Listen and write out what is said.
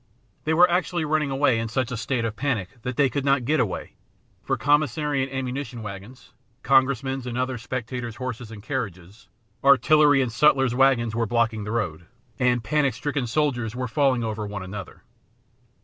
They were actually running away in such a state of panic that they could not get away, for commissary and ammunition wagons, congressmen's and other spectators' horses and carriages, artillery and sutlers' wagons were blocking the road, and panicstricken soldiers were falling over one another.